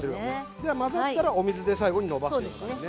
では混ざったらお水で最後にのばすような感じね。